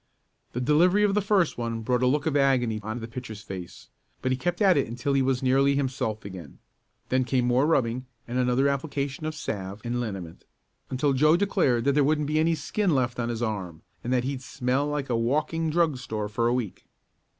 The delivery of the first one brought a look of agony on the pitcher's face, but he kept at it until he was nearly himself again. Then came more rubbing and another application of salve and liniment, until Joe declared that there wouldn't be any skin left on his arm, and that he'd smell like a walking drug store for a week.